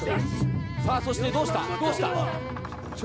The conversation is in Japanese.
さあそしてどうした、どうした。